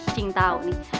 cinta lu nih